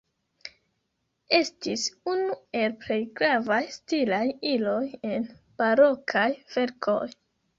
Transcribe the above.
Estis unu el plej gravaj stilaj iloj en barokaj verkoj.